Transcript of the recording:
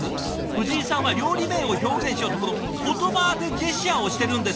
藤井さんは料理名を表現しようとこの言葉当てジェスチャーをしてるんですよ！